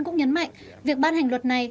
cũng nhấn mạnh việc ban hành luật này